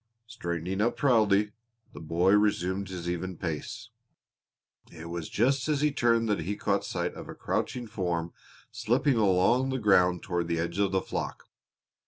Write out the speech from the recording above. Straightening up proudly, the boy resumed his even pace. It was just as he turned that he caught sight of a crouching form slipping along the ground toward the edge of the flock.